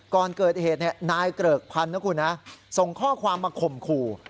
ก่อนเกิดเหตุนายเกริกพันธ์นะคุณนะส่งข้อความมาข่มขู่